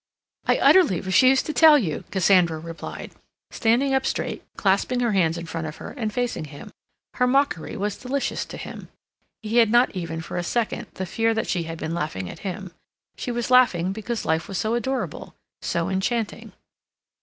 "I utterly refuse to tell you!" Cassandra replied, standing up straight, clasping her hands in front of her, and facing him. Her mockery was delicious to him. He had not even for a second the fear that she had been laughing at him. She was laughing because life was so adorable, so enchanting.